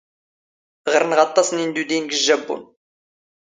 ⵖⵔⵏⵖ ⴰⵟⵟⴰⵚ ⵏ ⵉⵏⴷⵓⴷⵉⵢⵏ ⴳ ⵊⵊⴰⴱⴱⵓⵏ.